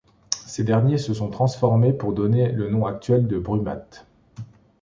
Ces derniers se sont transformés pour donner le nom actuel de Brumath.